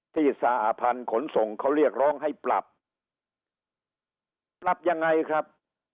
สหพันธ์ขนส่งเขาเรียกร้องให้ปรับปรับยังไงครับ